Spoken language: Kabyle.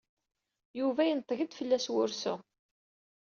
Yuba yenṭeg-d fell-as wursu.